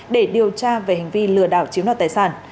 để điều tra về hành vi lừa đảo chiếm đoạt tài sản